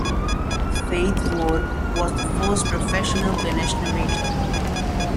Faith Worth was the first professional Benesh notator.